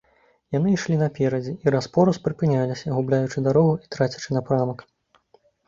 Яны ішлі наперадзе і раз-пораз прыпыняліся, губляючы дарогу і трацячы напрамак.